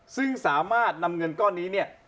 ซึ่งสามารถนำเงินก้อนนี้เนี่ย